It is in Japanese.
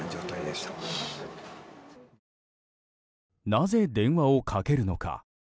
なぜ電話をかけるのか。